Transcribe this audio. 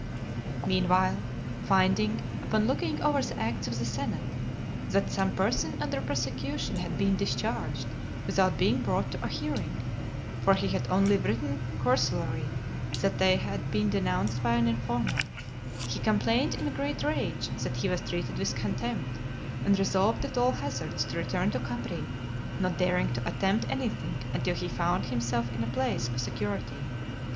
LXXIII. Meanwhile, finding, upon looking over the acts of the senate, "that some person under prosecution had been discharged, without being brought to a hearing," for he had only written cursorily that they had been denounced by an informer; he complained in a great rage that he was treated with contempt, and resolved at all hazards to return to Capri; not daring to attempt any thing until he found himself in a place of security.